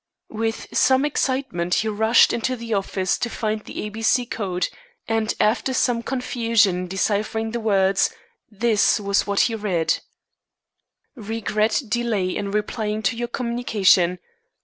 With some excitement he rushed into the office to find the A B C Code, and after some confusion in deciphering the words, this was what he read: "Regret delay in replying to your communication.